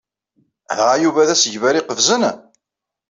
Dɣa, Yuba d asegbar iqefzen?